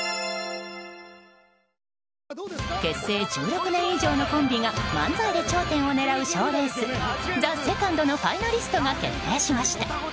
結成１６年以上のコンビが漫才で頂点を狙う賞レース「ＴＨＥＳＥＣＯＮＤ」のファイナリストが決定しました。